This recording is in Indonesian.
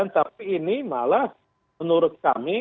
tapi ini malah menurut kami